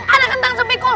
ada kentang sepikul